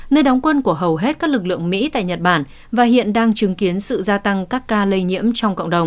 nơi đóng quân của hầu hết các lực lượng mỹ tại nhật bản và hiện đang chứng kiến sự gia tăng các ca lây nhiễm trong cộng đồng